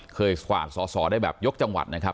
กวาดสอสอได้แบบยกจังหวัดนะครับ